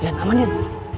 iyan aman iyan